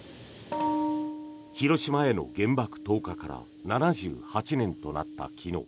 広島への原爆投下から７８年となった昨日。